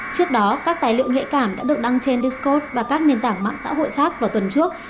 trước đó các tài liệu nghệ cảm đã được đăng trên discord và các nền tảng mạng xã hội khác vào tuần trước